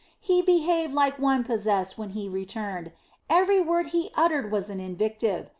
He behaved like one possessed when he returned. Every word he uttered was an invective.